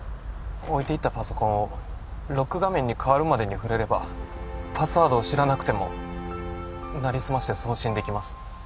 置いていったパソコンをロック画面に変わるまでに触れればパスワードを知らなくてもなりすまして送信できます